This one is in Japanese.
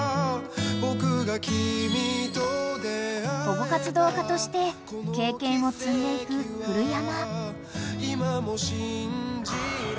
［保護活動家として経験を積んでいく古山］